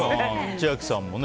千秋さんもね。